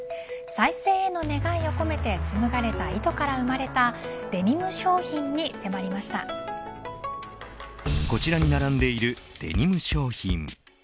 再生への願いを込めて紡がれた糸から生まれたこちらに並んでいるデニム商品。